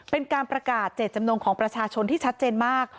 เป็นการประกาศเจตจำนงของประชาชนที่ชัดเจนมาก